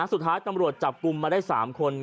สุดท้ายตำรวจจับกลุ่มมาได้๓คน